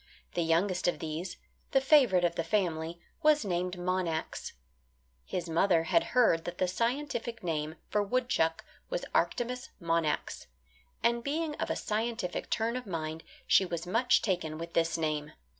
The youngest of these the favourite of the family, was named Monax. His mother had heard that the scientific name for woodchuck was Arctomys Monax, and being of a scientific turn of mind, she was much taken with this name.